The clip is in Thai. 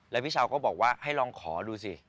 แล้วพี่เช้าก็บอกว่าให้ลองขอดูสิ